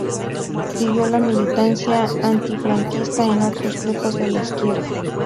Siguió la militancia antifranquista en otros grupos de la izquierda.